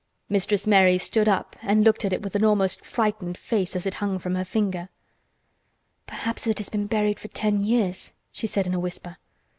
Mistress Mary stood up and looked at it with an almost frightened face as it hung from her finger. "Perhaps it has been buried for ten years," she said in a whisper.